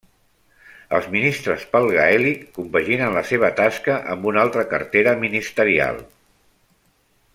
Els ministres pel gaèlic compaginen la seva tasca amb una altra cartera ministerial.